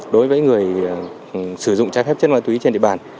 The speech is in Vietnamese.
đối với người sử dụng trái phép chất ma túy trên địa bàn